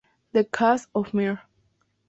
The Case of Mr.